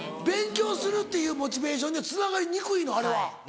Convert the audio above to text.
勉強するっていうモチベーションにはつながりにくいのあれは。